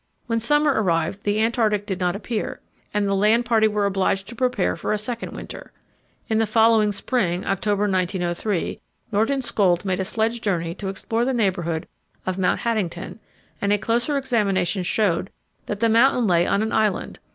When summer arrived the Antarctic did not appear, and the land party were obliged to prepare for a second winter. In the following spring, October, 1903, Nordenskjöld made a sledge journey to explore the neighbourhood of Mount Haddington, and a closer examination showed that the mountain lay on an island.